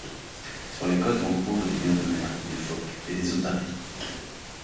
Sur les côtes, on trouve des lions de mer, des phoques et des otaries.